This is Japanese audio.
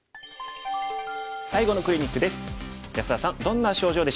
最後のクリニックです。